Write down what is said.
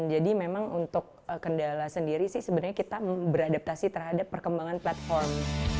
jadi memang untuk kendala sendiri sih sebenarnya kita beradaptasi terhadap perkembangan platform